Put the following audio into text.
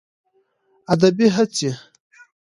ادبي هڅې